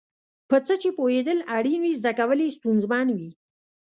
په څه چې پوهېدل اړین وي زده کول یې ستونزمن وي.